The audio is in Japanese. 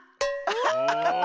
アッハハ！